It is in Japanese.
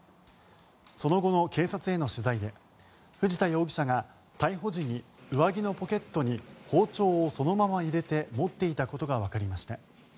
その後の警察への取材で藤田容疑者が逮捕時に上着のポケットに包丁をそのまま入れて持っていたことがわかりました。